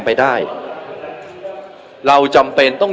ไม่ว่าจะเป็นท่าน